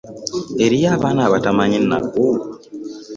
Eriyo abaana abatamanyi nnaku.